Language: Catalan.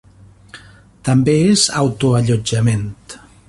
També és auto-allotjament.